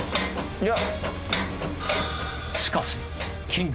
いや。